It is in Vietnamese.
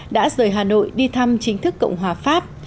đã rời hà nội đi thăm chính thức cộng hòa pháp